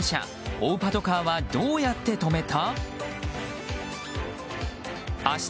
追うパトカーはどうやって止めた？